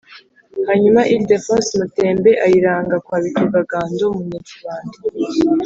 hanyuma Ildefonsi Mutembe ayiranga kwa Bitugangando, mu Nyakibanda.